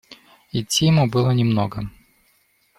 Идти ему было немного.